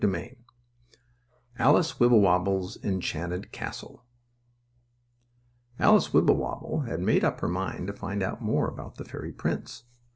STORY XI ALICE WIBBLEWOBBLE'S ENCHANTED CASTLE Alice Wibblewobble had made up her mind to find out more about the fairy prince.